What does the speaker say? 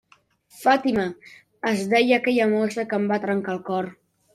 Fàtima, es deia aquella mossa que em va trencar el cor.